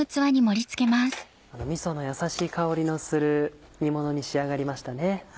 みそのやさしい香りのする煮ものに仕上がりましたね。